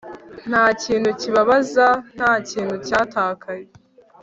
nta kintu kibabaza; nta kintu cyatakaye